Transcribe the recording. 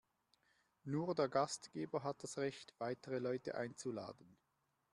Nur der Gastgeber hat das Recht, weitere Leute einzuladen.